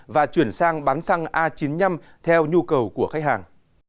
và chuyển sang bán xăng a chín mươi năm theo nhu cầu của khách hàng